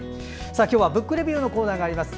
今日は「ブックレビュー」のコーナーがあります。